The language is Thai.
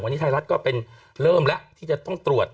วันนี้ไทยรัฐก็เป็นเริ่มแล้วที่จะต้องตรวจ